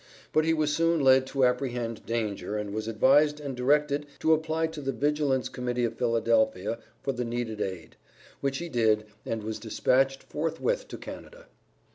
But he was soon led to apprehend danger, and was advised and directed to apply to the Vigilance Committee of Philadelphia for the needed aid, which he did, and was dispatched forthwith to Canada.